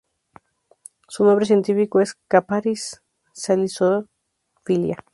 Su nombre científico es Capparis salicifolia.